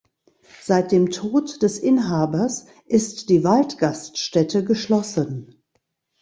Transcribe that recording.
Seit dem Tod des Inhabers ist die Waldgaststätte geschlossen.